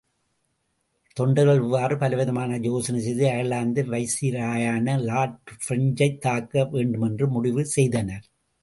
தொண்டர்கள் இவ்வாறு பலவிதமாக யோசனை செய்து, அயர்லாந்தின் வைசிராயான லார்ட் பிரெஞ்சைத் தாக்க வேண்டும் என்று முடிவு செய்தனர்.